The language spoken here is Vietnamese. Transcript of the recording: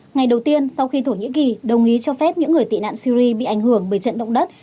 ngày đầu tiên sau khi thổ nhĩ kỳ đồng ý cho phép những người tị nạn syri bị ảnh hưởng bởi trận động đất